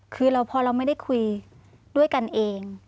คือพอเราไม่ได้คุยด้วยกันเอง